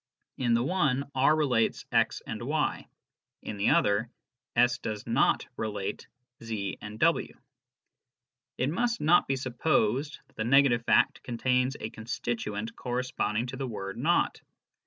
In the one, R relates x and y ; in the other, S does not relate z and w. It must not be supposed that the negative fact contains a con stituent corresponding to the word " not."